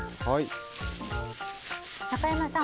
中山さん